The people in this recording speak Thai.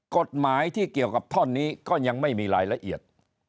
กฎหมายที่เกี่ยวกับท่อนนี้ก็ยังไม่มีรายละเอียด